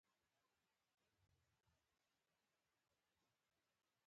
ما وویل زموږ خپګان هېڅ بدلون نه رامنځته کوي